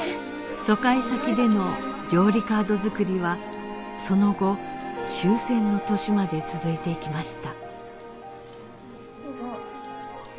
疎開先での料理カード作りはその後終戦の年まで続いていきました